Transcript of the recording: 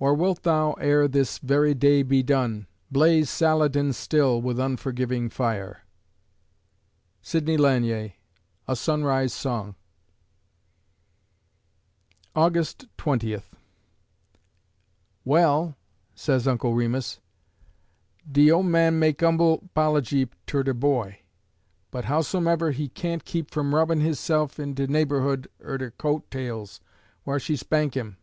Or wilt thou, ere this very day be done, Blaze Saladin still, with unforgiving fire? SIDNEY LANIER (A Sunrise Song) August Twentieth "Well," says Uncle Remus, "de 'oman make 'umble 'pology ter de boy, but howsomever he can't keep from rubbin' hisse'f in de naberhood er de coat tails, whar she spank 'im.